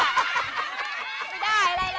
ไม่ได้อะไรนะ